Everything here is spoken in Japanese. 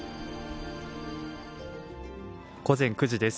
午前９時です。